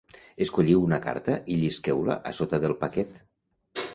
Escolliu una carta i llisqueu-la a sota del paquet.